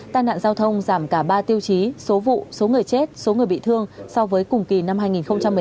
tai nạn giao thông giảm cả ba tiêu chí số vụ số người chết số người bị thương so với cùng kỳ năm hai nghìn một mươi tám